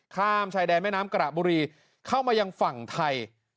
ข้ามชายแดนแม่น้ำกระบุรีเข้ามายังฝั่งไทย